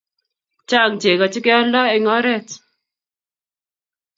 chang cheko che keyaldo en oret